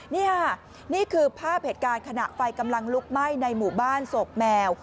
นี่ค่ะนี่คือภาพเหตุการณ์ขณะไฟกำลังลุกไหม้ในหมู่บ้านโศกแมว